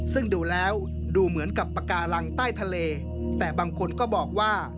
ซึ่งดูแล้วดูเหมือนกับปากการังใต้ทะเลแต่บางคนก็บอกว่า